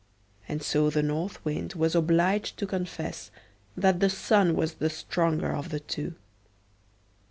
And so the North Wind was obliged to confess that the Sun was the stronger of the two.